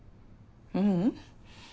ううん。